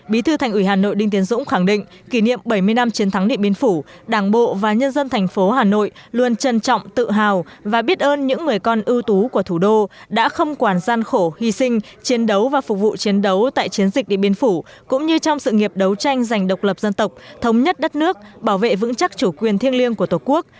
bí thư thành ủy hà nội đinh tiến dũng khẳng định kỷ niệm bảy mươi năm chiến thắng địa biến phủ đảng bộ và nhân dân thành phố hà nội luôn trân trọng tự hào và biết ơn những người con ưu tú của thủ đô đã không quản gian khổ hy sinh chiến đấu và phục vụ chiến đấu tại chiến dịch địa biến phủ cũng như trong sự nghiệp đấu tranh giành độc lập dân tộc thống nhất đất nước bảo vệ vững chắc chủ quyền thiêng liêng của tổ quốc